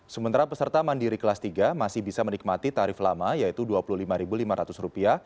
sementara peserta mandiri kelas tiga masih bisa menikmati tarif lama yaitu rp dua puluh lima lima ratus